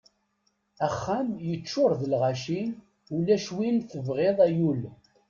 Axxam yeččuṛ d lɣaci ulac win tebɣiḍ ay ul!